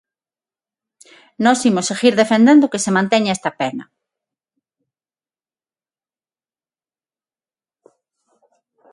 Nós imos seguir defendendo que se manteña esta pena.